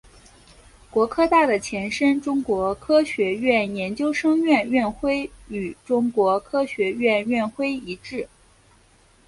国科大的前身中国科学院研究生院院徽与中国科学院院徽一致。